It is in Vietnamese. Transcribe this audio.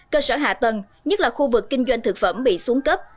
cơ sở hạ tầng nhất là khu vực kinh doanh thực phẩm bị xuống cấp